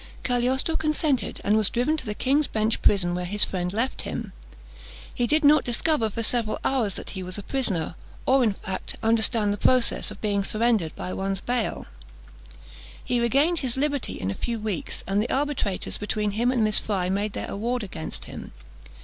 Cagliostro consented, and was driven to the King's Bench prison, where his friend left him. He did not discover for several hours that he was a prisoner, or, in fact, understand the process of being surrendered by one's bail. He regained his liberty in a few weeks; and the arbitrators between him and Miss Fry made their award against him.